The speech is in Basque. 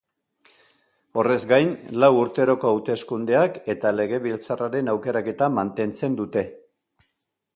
Horrez gain, lau urteroko hauteskundeak, eta legebiltzarraren aukeraketa mantentzen dute.